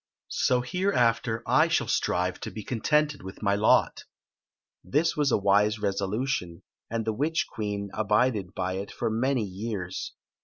So hereafter I shall strive to be contented with my lot" This was a wise resolution, and the witch<iucen abided by it for many years.